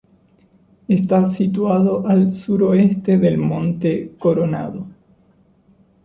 Está situado al suroeste del Monte Coronado.